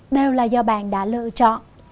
đều là do bạn đã lựa chọn